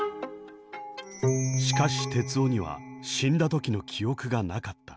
しかし徹生には死んだ時の記憶がなかった。